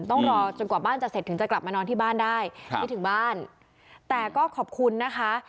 ต้องรอจนกว่าบ้านจะเสร็จถึงจะกลับมานอนที่บ้านได้ไม่ถึงบ้านแต่ก็ขอบคุณนะคะ